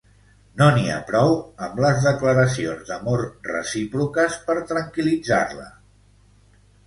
No n'hi ha prou amb les declaracions d'amor recíproques per tranquil·litzar-la.